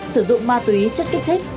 sử dụng ma túy chất kích thích